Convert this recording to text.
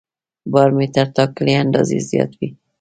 بار مې تر ټاکلي اندازې زیات و.